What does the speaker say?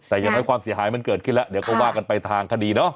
แต่อย่างน้อยความเสียหายมันเกิดขึ้นแล้วเดี๋ยวก็ว่ากันไปทางคดีเนาะ